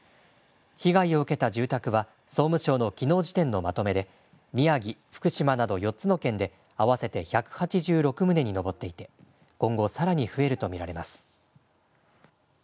被害を受けた住宅は、総務省のきのう時点のまとめで、宮城、福島など４つの県で合わせて１８６棟に上っていて、今後、さらに増えると見られます。